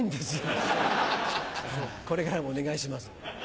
これからもお願いします。